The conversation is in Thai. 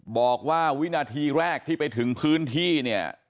บอกว่าวินาทีแรกที่ไปถึงพื้นที่เนี่ย